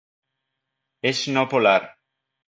És no polar.